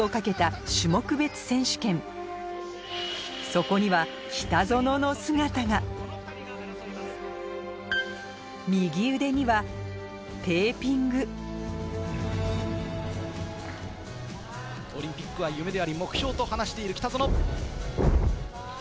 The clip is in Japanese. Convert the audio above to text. そこには右腕にはテーピングオリンピックは夢であり目標と話している北園。